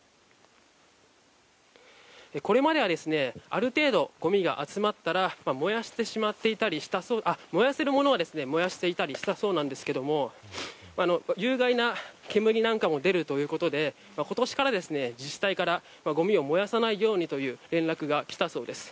これまではある程度、ごみが集まったら燃やせるものは燃やしていたりしていたそうですが有害な煙なんかも出るということで今年から、自治体からごみを燃やさないようにという連絡が来たそうです。